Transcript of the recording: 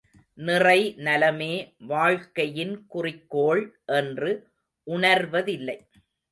நிறை நலமே வாழ்க்கையின் குறிக்கோள் என்று உணர்வதில்லை.